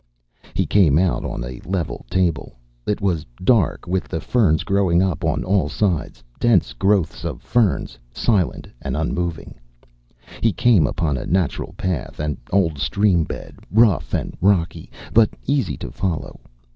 He came out on a level table. It was dark, with the ferns growing up on all sides, dense growths of ferns, silent and unmoving. He came upon a natural path, an old stream bed, rough and rocky, but easy to follow.